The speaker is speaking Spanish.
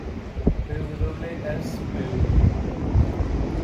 Pʷ Es 'pw'.